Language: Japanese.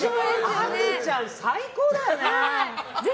亜美ちゃん、最高だよね！